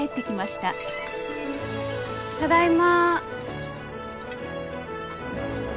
ただいま。